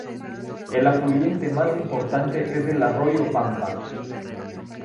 El afluente más importante es el Arroyo Pampa.